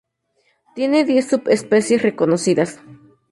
Tiene diez subespecies reconocidas.